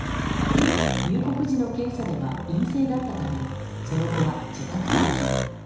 入国時の検査では陰性だったためその後は自宅待機。